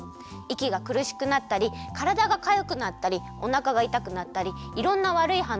いきがくるしくなったりからだがかゆくなったりおなかがいたくなったりいろんなわるいはんのうがでちゃうんだって。